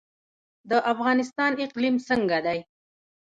د افغانستان اقلیم څنګه دی؟